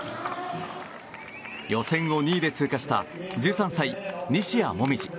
予選を２位で通過した１３歳、西矢椛。